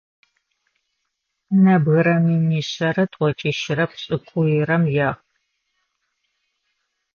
Нэбгырэ минишъэрэ тӏокӏищрэ пшӏыкӏуйрэм ехъу.